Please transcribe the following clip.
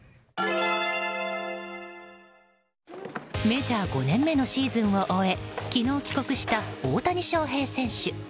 メジャー５年目のシーズンを終え、昨日帰国した大谷翔平選手。